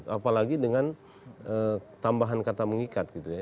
apalagi dengan tambahan kata mengikat gitu ya